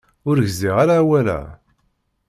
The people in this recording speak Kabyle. Ur gziɣ ara awal-a.